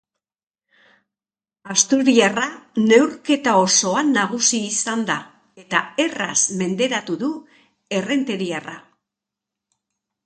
Asturiarra neurketa osoan nagusi izan da eta erraz menderatu du errenteriarra.